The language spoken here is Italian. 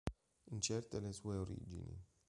Incerte le sue origini.